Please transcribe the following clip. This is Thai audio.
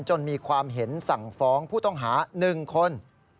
จนมีความเห็นสั่งฟ้องผู้ต้องหา๑คน